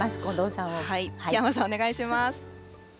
檜山さん、お願いします。